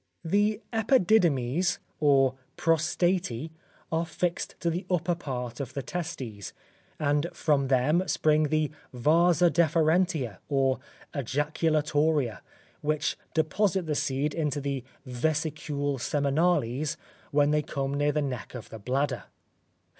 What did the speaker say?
The epididemes, or prostatae are fixed to the upper part of the testes, and from them spring the vasa deferentia, or ejaculatoria, which deposit the seed into the vesicule seminales when they come near the neck of the bladder.